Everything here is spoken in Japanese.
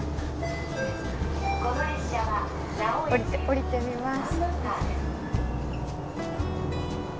降りてみます。